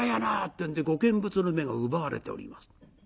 ってんでご見物の目が奪われております。